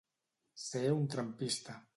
Ser un trampista.